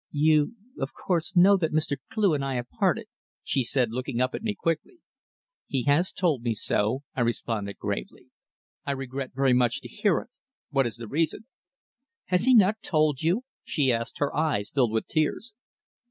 "You, of course, know that Mr. Cleugh and I have parted," she said, looking up at me quickly. "He has told me so," I responded gravely. "I regret very much to hear it. What is the reason?" "Has he not told you?" she asked, her eyes filled with tears.